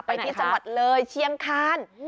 ไปที่จังหวัดเลยเชียงคาน